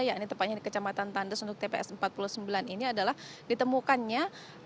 ya ini tepatnya di kecamatan tandes untuk tps empat puluh sembilan ini adalah ditemukannya